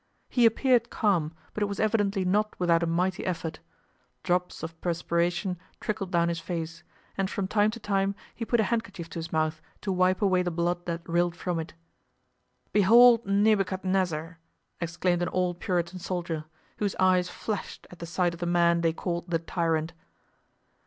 He appeared calm, but it was evidently not without a mighty effort. Drops of perspiration trickled down his face, and from time to time he put a handkerchief to his mouth to wipe away the blood that rilled from it. "Behold Nebuchadnezzar!" exclaimed an old Puritan soldier, whose eyes flashed at the sight of the man they called the tyrant.